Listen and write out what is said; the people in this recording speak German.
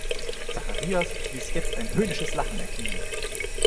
Zacharias ließ jetzt ein höhnisches Lachen erklingen.